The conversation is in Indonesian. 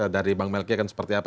dari bang melki kan seperti apa